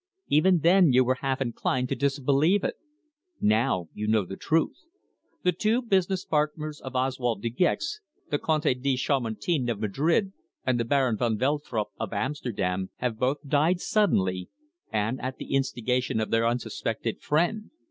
"Even then you were half inclined to disbelieve it. Now you know the truth. The two business partners of Oswald De Gex, the Conde de Chamartin, of Madrid, and the Baron van Veltrup, of Amsterdam, have both died suddenly and at the instigation of their unsuspected friend!